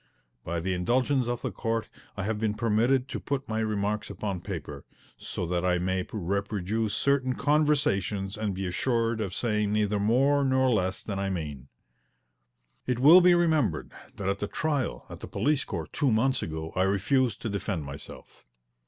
By the indulgence of the Court I have been permitted to put my remarks upon paper, so that I may reproduce certain conversations and be assured of saying neither more nor less than I mean. It will be remembered that at the trial at the police court two months ago I refused to defend myself.